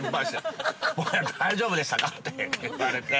◆ぼや、大丈夫でしたかって言われて。